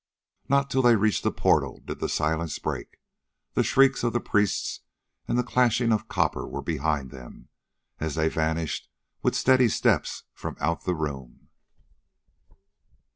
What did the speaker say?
Not till they reached the portal did the silence break. The shrieks of the priests and the clashing of copper were behind them, as they vanished with steady steps from out the room.